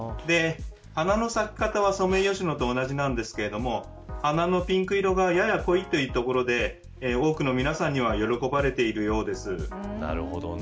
花の咲き方は、ソメイヨシノと同じなんですけれども花のピンク色がやや濃いというところで多くの皆さんには喜ばれているようです。